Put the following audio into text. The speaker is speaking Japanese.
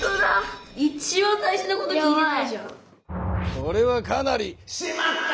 これはかなり「しまった！」